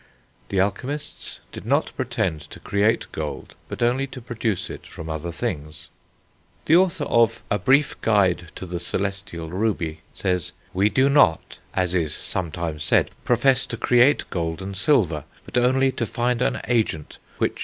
The alchemists did not pretend to create gold, but only to produce it from other things. The author of A Brief Guide to the Celestial Ruby says: "We do not, as is sometimes said, profess to create gold and silver, but only to find an agent which